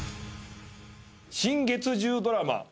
新月１０ドラマ